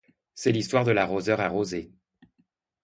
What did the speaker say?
C’est l’histoire de l’arroseur arrosé.